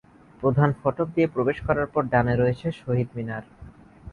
প্রধান ফটক দিয়ে প্রবেশ করার পর ডানে রয়েছে শহীদ মিনার।